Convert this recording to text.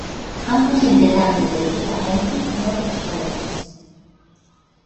Ambos integrantes del equipo Hendrick Motorsports.